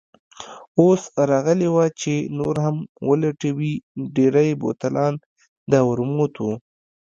اوس راغلې وه چې نور هم ولټوي، ډېری بوتلان د ورموت وو.